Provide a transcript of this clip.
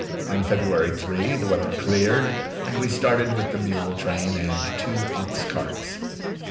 On February 3 the weather cleared and we started with the mule train and two ox carts.